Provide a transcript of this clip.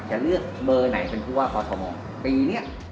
จะเลือกเบอร์ไหนเป็นผู้ว่าคอทอมอล์ปีนี้